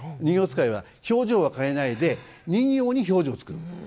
人形遣いは表情は変えないで人形に表情を作る。